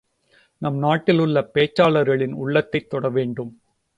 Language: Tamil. நம் நாட்டில் உள்ள பேச்சாளர்களின் உள்ளத்தைத் தொடவேண்டும்.